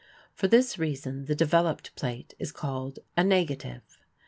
For this reason the developed plate is called a negative.